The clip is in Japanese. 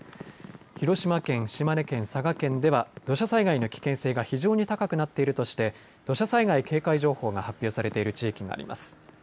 広島県、島根県、佐賀県では土砂災害の危険性が非常に高くなっているとして土砂災害警戒情報が発表されている地域があります。